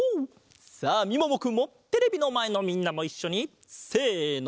さあみももくんもテレビのまえのみんなもいっしょにせの！